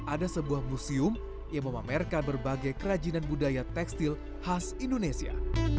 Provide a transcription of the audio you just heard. ada sebuah museum yang memamerkan berbagai kerajinan budaya tekstil khas indonesia